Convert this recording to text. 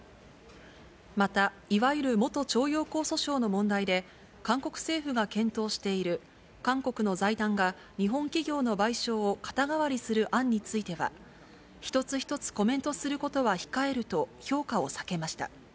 また、いわゆる元徴用工訴訟の問題で、韓国政府が検討している、韓国の財団が日本企業の賠償を肩代わりする案については、一つ一つコメントすることは控えると評価を避けました。